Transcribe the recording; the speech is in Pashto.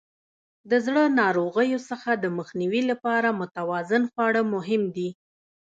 د زړه ناروغیو څخه د مخنیوي لپاره متوازن خواړه مهم دي.